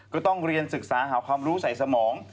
ก็ต้องเรียนศึกษาหาความรู้ใส่สมอง